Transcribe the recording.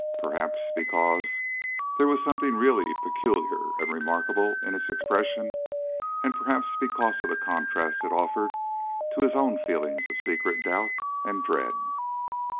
Perhaps because there was something really peculiar and remarkable in its expression, and perhaps because of the contrast it offered to his own feelings of secret doubt and dread.